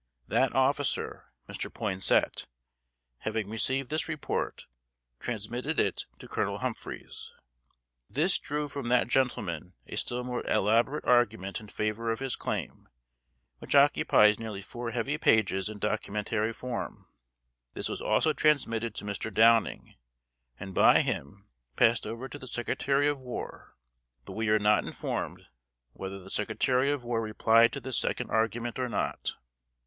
That officer (Mr. Poinsett) having received this report, transmitted it to Colonel Humphreys. This drew from that gentleman a still more elaborate argument in favor of his claim, which occupies nearly four heavy pages in documentary form. This was also transmitted to Mr. Downing, and by him passed over to the Secretary of War; but we are not informed whether the Secretary of War replied to this second argument or not.